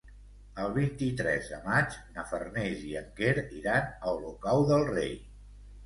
El vint-i-tres de maig na Farners i en Quer iran a Olocau del Rei.